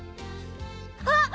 あっ！